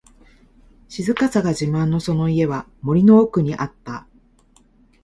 静かさが自慢のその家は、森の奥にあった。